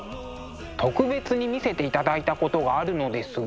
特別に見せていただいたことがあるのですが。